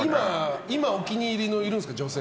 今、お気に入りのいるんですか？